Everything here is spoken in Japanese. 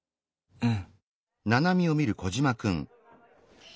うん？